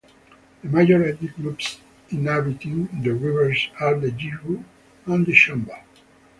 The major ethnic groups inhabiting the river are the Jibu and the Chamba.